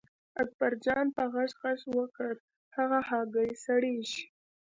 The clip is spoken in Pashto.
اکبرجان په غږ غږ وکړ هغه هګۍ سړېږي.